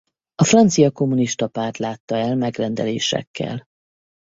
A Francia Kommunista Párt látta el megrendelésekkel.